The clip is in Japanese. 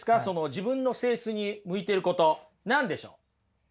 自分の性質に向いてること何でしょう。